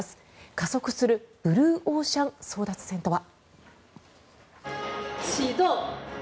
加速するブルーオーシャン争奪戦とは。